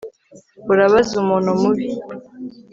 Urabaza umuntu mubi